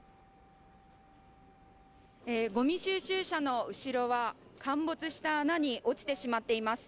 ごみ収集車の後ろは陥没した穴に落ちてしまっています。